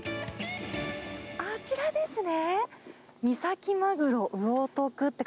あちらですね。